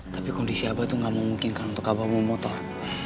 tapi kondisi abah itu gak memungkinkan untuk apa mau motor